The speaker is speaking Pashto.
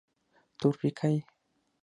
تورپيکۍ.